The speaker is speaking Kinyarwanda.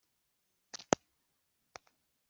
Abami n’Abahanuzi bo hanyuma